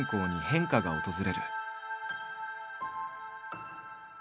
変化が訪れる。